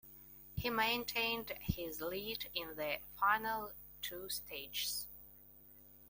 He maintained his lead in the final two stages.